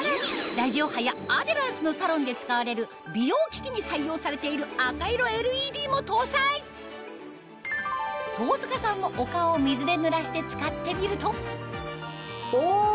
ラジオ波やアデランスのサロンで使われる美容機器に採用されている赤色ＬＥＤも搭載東塚さんもお顔を水で濡らして使ってみるとお！